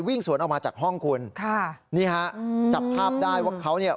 วิ่งสวนออกมาจากห้องคุณค่ะนี่ฮะจับภาพได้ว่าเขาเนี่ย